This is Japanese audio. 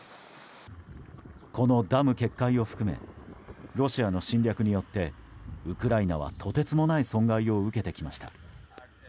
このダム決壊を含めロシアの侵略によってウクライナはとてつもない損害を受けてきました。